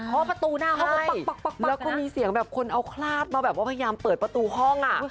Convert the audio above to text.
เพราะประตูหน้าห้องก็ปั๊กแล้วก็มีเสียงแบบคนเอาคลาดมาแบบว่าพยายามเปิดประตูห้อง